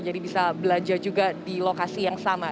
jadi bisa belajar juga di lokasi yang sama